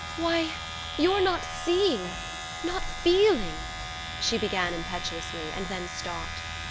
"Why, your not seeing... not feeling..." she began impetuously; and then stopped.